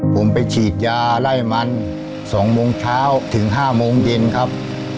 ผมไปฉีดยาไล่มัน๒โมงเช้าถึง๕โมงเย็นครับ